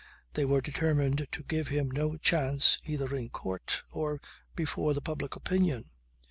They were determined to give him no chance either in court or before the public opinion.